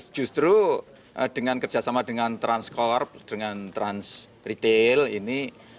justru dengan kerjasama dengan transcorp dengan transretail ini